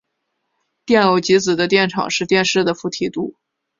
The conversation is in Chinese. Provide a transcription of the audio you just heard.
电偶极子的电场是电势的负梯度。